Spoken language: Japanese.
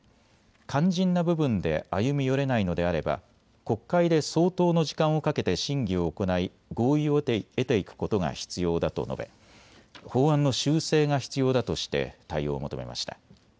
肝心な部分で歩み寄れないのであれば国会で相当の時間をかけて審議を行い合意を得ていくことが必要だと述べ法案の修正が必要だとして対応を求めました。